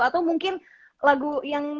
atau mungkin lagu yang